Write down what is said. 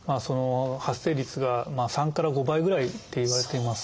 発生率が３から５倍ぐらいっていわれています。